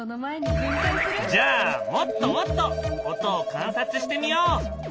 じゃあもっともっと音を観察してみよう！